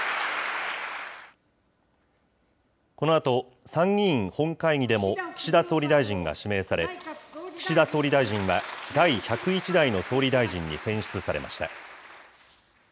このあと、参議院本会議でも岸田総理大臣が指名され、岸田総理大臣は、第１０１代の総理大臣に選出されました。